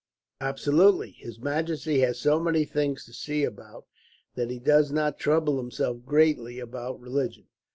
Absolutely, his majesty has so many things to see about that he does not trouble himself greatly about religion.